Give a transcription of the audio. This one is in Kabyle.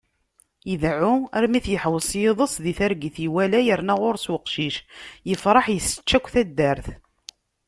Ideεεu, armi t-yeḥwes yiḍes di targit iwala yerna γur-s uqcic, yefreḥ, isečč yakk taddart.